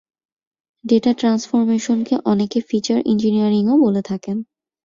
Data ট্রান্সফরমেশনকে অনেকে feature ইঞ্জিনিয়ারিংও বলে থাকেন।